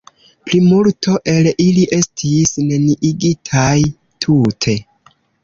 Plimulto el ili estis neniigitaj tute.